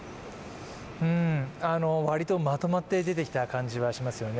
割とまとまって出てきた感じはしますよね。